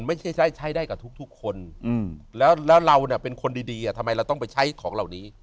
ไม่ใช่ใช้ได้กับทุกคนแล้วเราเป็นคนดีทำไมเราต้องไปใช้ของเหล่านี้